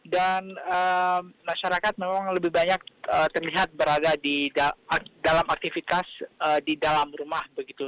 dan masyarakat memang lebih banyak terlihat berada di dalam aktivitas di dalam rumah begitu